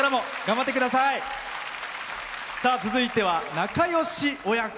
続いては仲よし親子。